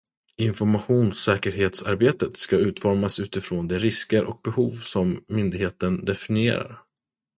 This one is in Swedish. Informationssäkerhetsarbetet ska utformas utifrån de risker och behov som myndigheten definierar.